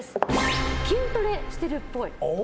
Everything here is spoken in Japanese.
筋トレしてるっぽい。